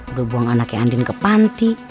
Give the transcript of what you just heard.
udah buang anaknya andin ke panti